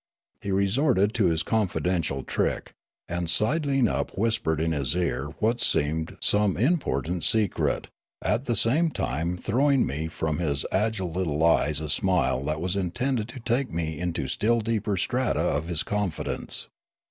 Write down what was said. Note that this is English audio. He resorted to his confidential trick, and sidling up whispered in his ear what seemed some important secret, at the same time throwing me from his agile little eyes a smile that was intended to take me into still deeper strata of his confidence.